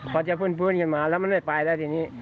พอจะฟื้นขึ้นมาแล้วมันไม่ไปแล้วทีนี้